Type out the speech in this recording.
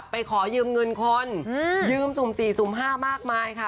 ขอยืมเงินคนยืมสุ่ม๔สุ่ม๕มากมายค่ะ